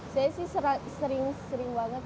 saya sih sering sering banget